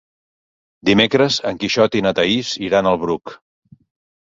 Dimecres en Quixot i na Thaís iran al Bruc.